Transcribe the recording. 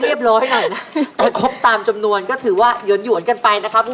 เรียบร้อยเลยเลยดูแลจำนวนก็ถือว่าหยุ่นกันไปนะครับกุก